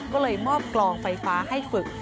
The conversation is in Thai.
ก็เลยมอบกลองไฟฟ้าให้ฝึก